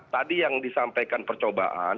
tadi yang disampaikan percobaan